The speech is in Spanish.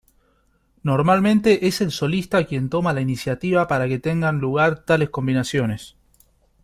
Normalmente es el solista quien toma la iniciativa para que tengan lugar tales combinaciones.